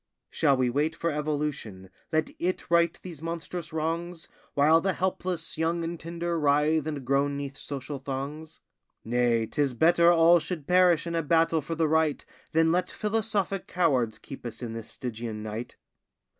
Shall we wait for evolution, let it right these monstrous wrongs, While the helpless, young, and tender writhe and groan 'neath social thongs? Nay, 'tis better all should perish in a battle for the right, Than let philosophic cowards keep us in this stygian night.